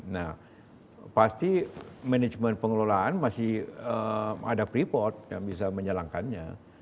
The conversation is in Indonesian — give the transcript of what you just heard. nah pasti manajemen pengelolaan masih ada freeport yang bisa menjalankannya